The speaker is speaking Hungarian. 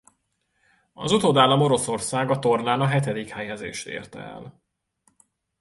Az utódállam Oroszország a tornán a hetedik helyezést érte el.